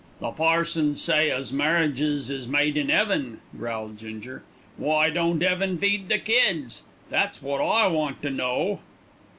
"The parsons say as marriages is made in 'eaven," growled Ginger. "Why don't 'eaven feed the kids? That's wot I want to know."